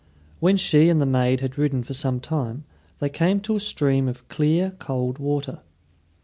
When she and the maid had ridden for some time, they came to a stream of clear, cold water.